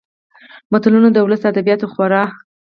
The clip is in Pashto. متلونه د ولسي ادبياتو خورا .